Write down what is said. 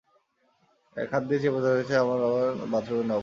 এক হাত দিয়ে চেপে ধরেছে আমার বাথরুমের নব।